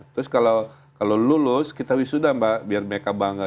terus kalau lulus kita wisuda mbak biar mereka bangga